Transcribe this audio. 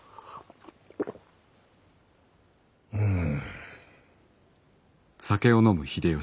うん。